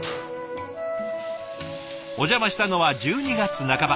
お邪魔したのは１２月半ば。